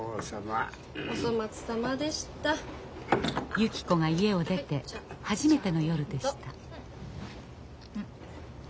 ゆき子が家を出て初めての夜でした。